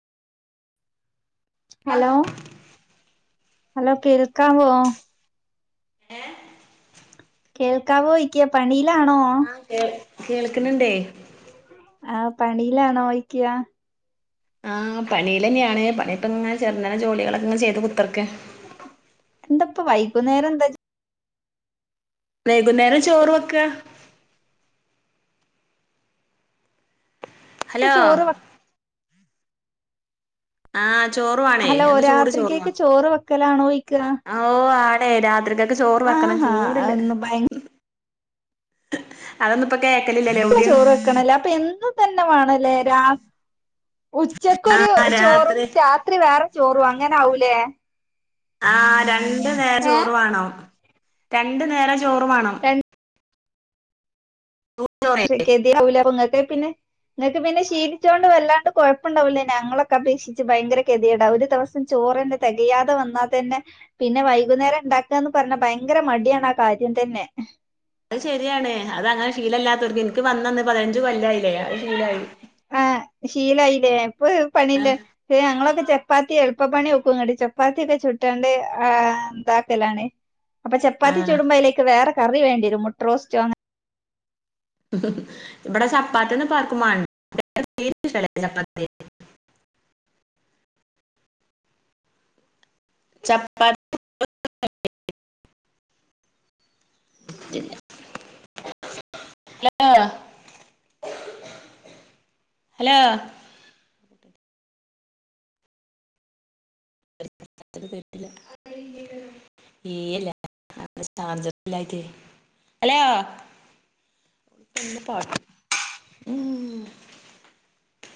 hello hello കേൾക്കാവോ ഏ കേൾക്കാവോയ്ക്ക പണീലാണോ കേ കേൾക്ക്ണ് ണ്ടേ ആഹ് പണീലാണോയ്ക്ക്യ ആഹ് പണീലന്നെണ് പണി ഇപ്പങ്ങനെ ചെറുന്നനെ ജോലികളൊക്കെ ചെയ്ത് കുത്തർക്ക എന്തപ്പം വൈക്കുന്നേരന്താ വൈകുന്നേരം ചോറ് വെക്ക ഇപ്പം ഹലോ ചോറ് വെ ആഹ് ചോറുവാണേ ഹലോ ഞങ്ങക്ക് ചൂട് ചോറുവാ രാത്രിക്കേക്ക് ചോറ് വെക്കലാണോ ഇക്ക്യ ഓ ആടെ രാത്രികക്ക് ചോറ് വെക്കണം ആഹാ ചൂട്ല്ലെ ഒന്ന് ഭയങ്കര അതൊന്നും ഇപ്പൊ കേക്കലില്ലലേ ഔഡ്ഡിം ക്കണല്ലേ അപ്പം എന്നും ഇതന്നെ വാണല്ലേ രാ ഉച്ചക്കൊരു ആഹ് ചോറും രാത്രി രാത്രി വേറെ ചോറും അങ്ങനെ ആവുല്ലേ ആ രണ്ടു നേരം ഏ ചോറ് വാണം രണ്ടു നേരം ചോറ് മാണം രൺ ചോറേ ക്കെത്യോടാവൂലെ ഇങ്ങക്ക് പിന്നെ ഇങ്ങക്ക് പിന്നെ ശീലിച്ചോണ്ട് വല്ലാണ്ട് കൊഴപ്പണ്ടാവുല ഞങ്ങളൊക്കെ അപേക്ഷിച്ച് ഭയങ്കര കെത്യോടാ ഒരു ദിവസ് ചോറന്നെ തെകയാതെ വന്നാൽ തന്നെ പിന്നെ വൈകുന്നേരം ഇണ്ടാക്കാന്ന് പറഞ്ഞ ഭയങ്കര മടിയാണ് ആ കാര്യം തന്നെ അത് ശരിയാണ് അത് അങ്ങനെ ശീലല്ലാത്തോർക്ക് ഇൻക്ക് വന്നന്ന് പതിനഞ്ച് കൊല്ലായില്ലേ അത് ശീലായി ആഹ് ശീലായില്ലേ ഇപ്പൊ പണില്ല ആഹ് പക്ഷേ ഞങ്ങളൊക്കെ ചപ്പാത്തി എളുപ്പപ്പണി നോക്കും ങ്ങട്ട് ചപ്പാത്തി ഒക്കെ ചുട്ടാണ്ട് ആ താക്കലാണ് അപ്പൊ ചപ്പാത്തി ആഹ് ചൂടുമ്പോ അയ്ലേക്ക് വേറെ കറി വേണ്ട്യരും മുട്ടറോസ്റ്റോ അങ്ങനെ ഇവിടെ ചാപ്പാത്തിന്നും പ്പ ആർക്കും വാണ്ട [unintelligible] [inaudible] ചപ്പാ ത്തില്ല ഹലോ ഹലോ [unintelligible] കേട്ടില്ല തിരെല്ല ചാർജറില്ലായിട്ടെ ഹലോ നല്ല പാട്ട് ഉം